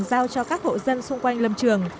giao cho các hộ dân xung quanh lâm trường